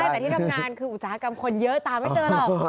แต่ที่ทำงานคืออุตสาหกรรมคนเยอะตามไม่เจอหรอก